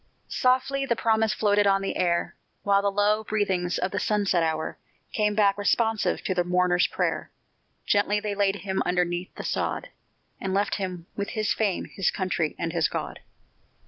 Softly the promise floated on the air, While the low breathings of the sunset hour Came back responsive to the mourner's prayer. Gently they laid him underneath the sod, And left him with his fame, his country, and his God!